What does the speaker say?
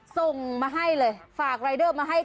ส่งมาให้เลยฝากรายเดอร์มาให้